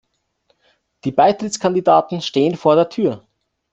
Die Beitrittskandidaten stehen vor der Tür.